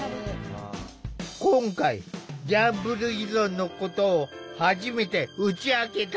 今回ギャンブル依存のことを初めて打ち明けた。